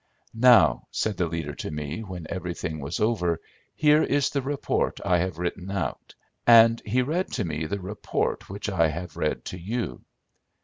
"'Now,' said the leader to me when everything was over,' here is the report I have written out,' and he read to me the report which I have read to you.